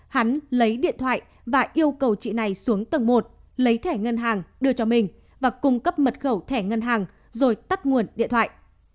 hắn lấy điện thoại và yêu cầu chị này xuống tầng một lấy thẻ ngân hàng đưa cho mình và cung cấp mật khẩu thẻ ngân hàng rồi tắt nguồn điện thoại